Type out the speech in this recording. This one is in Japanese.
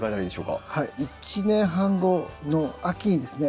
１年半後の秋にですね